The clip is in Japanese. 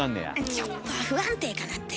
ちょっと不安定かなって。